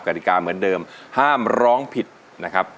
กฎิกาเหมือนเดิมห้ามร้องผิดนะครับ